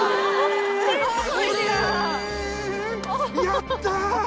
やった！